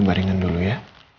baringan dulu ya